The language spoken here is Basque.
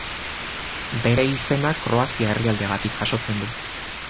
Bere izena Kroazia herrialdeagatik jasotzen du.